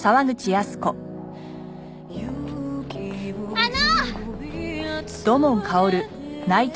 あの！